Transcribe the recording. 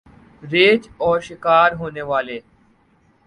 ریچھ اور شکار ہونے والے